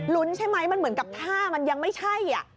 ใช่ไหมมันเหมือนกับท่ามันยังไม่ใช่